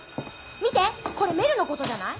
見てこれメルのことじゃない？